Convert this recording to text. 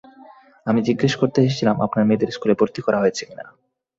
আমি জিজ্ঞেস করতে এসেছিলাম আপনার মেয়েদের স্কুলে ভর্তি করা হয়েছে কি না?